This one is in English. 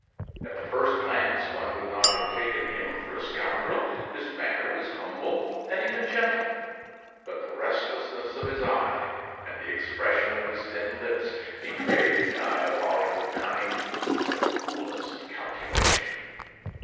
At the first glance one would not have taken him for a scoundrel. His manner was humble, and even gentle; but the restlessness of his eye and the expression of his thin lips betrayed diabolical cunning and the coolest calculation.